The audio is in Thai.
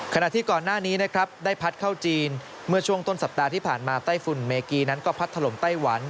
ขณะที่ก่อนหน้านี้นะครับได้พัดเข้าจีนเมื่อช่วงต้นสัปดาห์ที่ผ่านมาไต้ฝุ่นเมกีนั้นก็พัดถล่มไต้หวัน